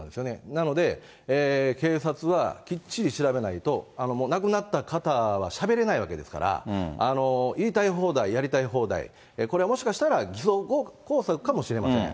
なので、警察はきっちり調べないと、亡くなった方はしゃべれないわけですから、言いたい放題、やりたい放題、これはもしかしたら偽装工作かもしれません。